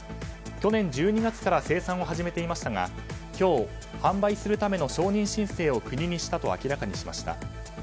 去年１２月から生産を始めていましたが今日、販売するための承認申請を国にしたと明らかにしました。